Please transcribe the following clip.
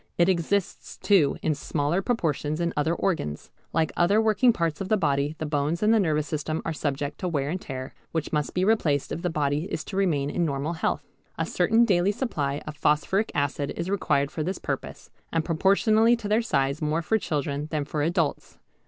It exists too in smaller proportions in other organs. Like other working parts of the body the bones and the nervous system are subject to wear and tear, which must be replaced if the body is to remain in normal health. A certain daily supply of phosphoric acid is required for this purpose, and proportionally to their size more for children than for adults.